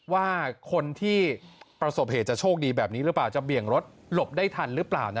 ว่าคนที่ประสบเหตุจะโชคดีแบบนี้หรือเปล่าจะเบี่ยงรถหลบได้ทันหรือเปล่า